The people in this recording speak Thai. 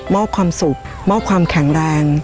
มอบความสุขมอบความแข็งแรง